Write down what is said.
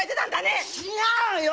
違うよ！